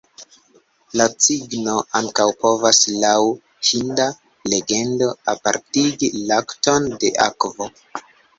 La cigno ankaŭ povas, laŭ hinda legendo, apartigi lakton de akvo.